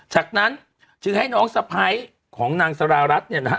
จากนั้นจึงให้น้องสะพ้ายของนางสารารัฐเนี่ยนะฮะ